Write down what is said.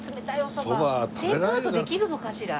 テイクアウトできるのかしら？